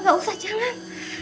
gak usah jangan